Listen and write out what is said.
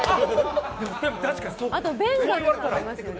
あと、ベンガルさんいますよね。